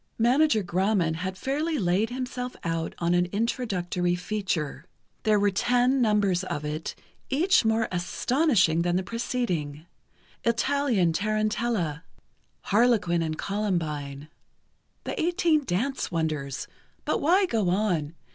Manager Grauman had fairly laid himself out on an introductory feature. There were ten numbers of it, each more astonishing than the preceding: "Italian Tarantella," "Harlequin and Columbine," "The Eighteen Dance Wonders," but why go on?